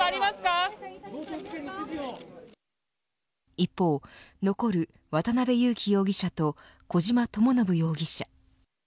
一方、残る渡辺優樹容疑者と小島智信容疑者。